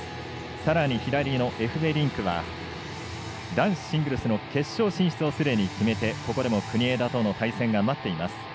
さらに、エフベリンクは男子シングルスの決勝進出をすでに決めて、ここでも国枝との対戦が待っています。